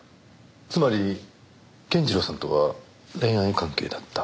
つまり健次郎さんとは恋愛関係だった？